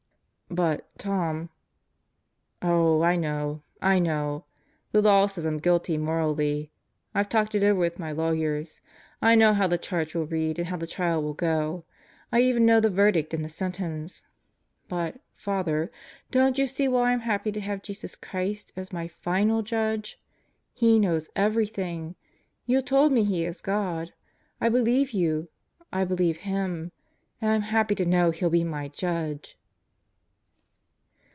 "But, Tom ..." "Oh, I know. I know. The Law says I'm guilty morally. I've talked it over with my lawyers, I know how the charge will read and how the trial will go. I even know the verdict and the sentence. But, Father, don't you see why I'm happy to have Jesus Christ as my final Judge? He knows everything! You told me He is God. I believe you. I believe Him. And I'm happy to know He'll be my Judge."